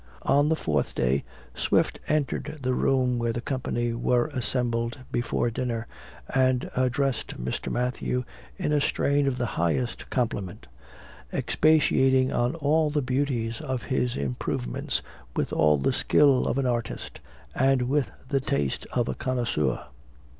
On the fourth day, Swift entered the room where the company were assembled before dinner, and addressed Mr. Mathew, in a strain of the highest compliment, expatiating on all the beauties of his improvements, with all the skill of an artist, and with the taste of a connoisseur.